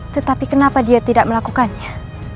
tetapi kenapa dia tidak melakukannya